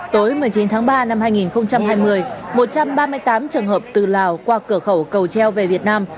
tối một mươi chín tháng ba năm hai nghìn hai mươi một trăm ba mươi tám trường hợp từ lào qua cửa khẩu cầu treo về việt nam